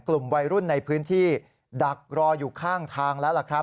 กลุ่มวัยรุ่นในพื้นที่ดักรออยู่ข้างทางแล้วล่ะครับ